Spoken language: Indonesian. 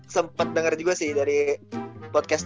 sempet denger juga sih dari podcast